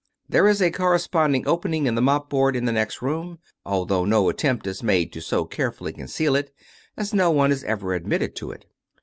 There is a corresponding opening in the mopboard in the next room, although no attempt is made to so carefully conceal it, as no one is ever admitted to it.